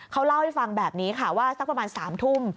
เขาเล่าให้ฟังแบบนี้ค่ะว่าสักประมาณ๓ทุ่ม